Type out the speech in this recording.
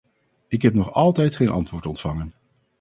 Ik heb nog altijd geen antwoord ontvangen.